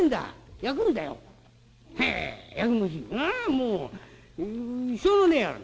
もうしょうがねえ野郎。